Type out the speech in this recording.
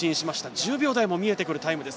１０秒台も見えてくるタイムです。